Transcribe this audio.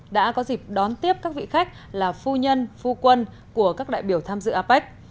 đã có dịp đón tiếp các vị khách là phu nhân phu quân của các đại biểu tham dự apec